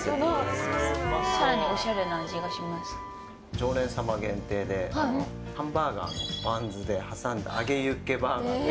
常連様限定でハンバーガーのバンズで挟んだ揚げユッケバーガー。